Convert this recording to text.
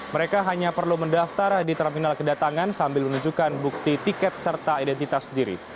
mereka hanya perlu mendaftar di terminal kedatangan sambil menunjukkan bukti tiket serta identitas diri